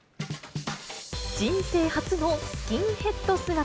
人生初のスキンヘッド姿。